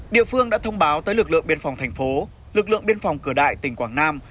địa phương đã thông báo tới lực lượng biên phòng thành phố lực lượng biên phòng cửa đại tỉnh quảng nam